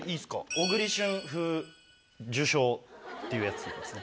小栗旬風受賞っていうやつやりますね。